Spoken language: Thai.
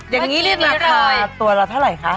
อย่างนี้นี่ราคาตัวละเท่าไหร่คะ